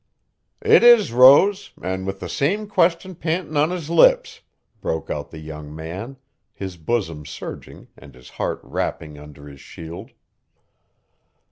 "It is, Rose, an' with the same question pantin' on his lips," broke out the young man, his bosom surging and his heart rapping under his shield.